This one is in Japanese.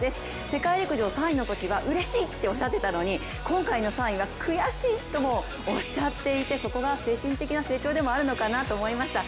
世界陸上３位のときはうれしい！っておっしゃってたのに今回の３位は悔しいともおっしゃっていて、そこが精神的な成長でもあるのかなと思いました。